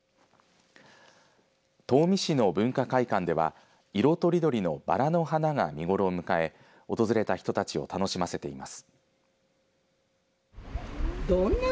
東御市の文化会館では色とりどりのばらの花が見頃を迎え訪れた人たちを楽しませています。